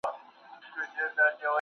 زه مخکي زدکړه کړې وه؟!